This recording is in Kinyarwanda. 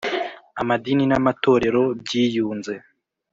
amadini n amatorero byiyunze